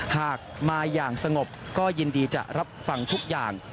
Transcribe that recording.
หากมาอย่างสงบก็ยินดีจะรับฟังทุกอย่าง